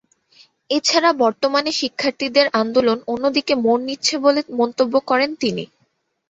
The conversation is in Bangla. এ ছাড়া বর্তমানে শিক্ষার্থীদের আন্দোলন অন্যদিকে মোড় নিচ্ছে বলে মন্তব্য করেন তিনি।